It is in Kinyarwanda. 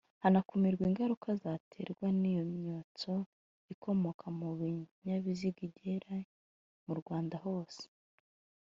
hanakumirwa ingaruka zaterwa n’iyo myotsi ikomoka mu binyabiziga igere mu Rwanda hose